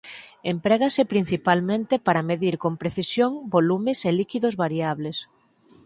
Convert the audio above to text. Emprégase principalmente para medir con precisión volumes e líquidos variables.